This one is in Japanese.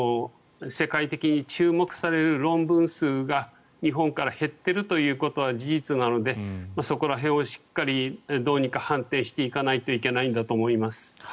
世界的に注目される論文数が日本から減っているということは事実なのでそこら辺をしっかりどうにか判定していかなければいけないんだと思います。